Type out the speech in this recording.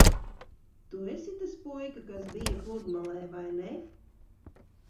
Tu esi tas puika, kas bija pludmalē, vai ne?